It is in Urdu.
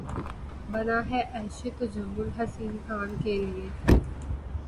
بنا ہے عیش تجمل حسین خاں کے لیے